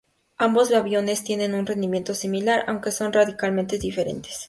Ambos aviones tienen un rendimiento muy similar aunque son radicalmente diferentes.